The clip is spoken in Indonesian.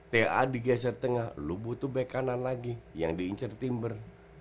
ta digeser tengah lo butuh back kanan lagi yang di incer timber